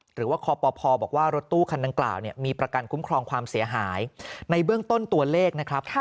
หรือว่าคปพบอกว่ารถตู้คันดังกล่าวมีประกันคุ้มครองความเสียหายในเบื้องต้นตัวเลขนะครับ